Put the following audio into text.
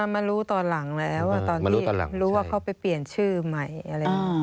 มารู้ตอนหลังแล้วตอนที่รู้ว่าเขาไปเปลี่ยนชื่อใหม่อะไรอย่างนี้